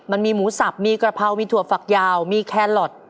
มันมีหมูสับมีกระเพรามีถั่วฝักยาวมีแคลอท